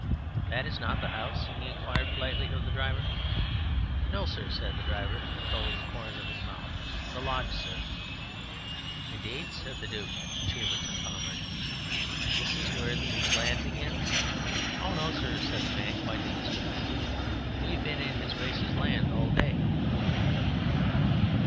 "That is not the house?" he inquired politely of the driver. "No, sir," said the driver, controlling the corners of his mouth. "The lodge, sir." "Indeed," said the Duc de Chambertin Pommard, "that is where the Duke's land begins?" "Oh no, sir," said the man, quite in distress. "We've been in his Grace's land all day."